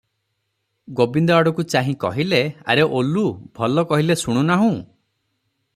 ଗୋବିନ୍ଦ ଆଡ଼କୁ ଚାହି କହିଲେ, 'ଆରେ ଓଲୁ, ଭଲ କହିଲେ ଶୁଣୁନାହୁଁ?